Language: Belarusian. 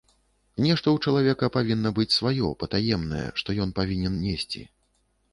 Нешта ў чалавека павінна быць сваё, патаемнае, што ён павінен несці.